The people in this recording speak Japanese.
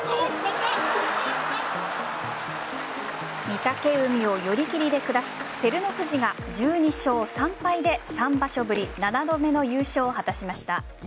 御嶽海を寄り切りで下し照ノ富士が１２勝３敗で３場所ぶり７度目の優勝を果たしました。